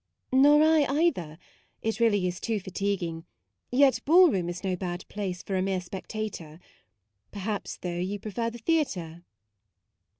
u Nor I, either; it really is too fatiguing ; yet a ball room is no bad place for a mere spectator. Perhaps, though, you prefer the theatre